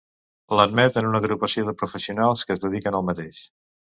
L'admet en una agrupació de professionals que es dediquen al mateix.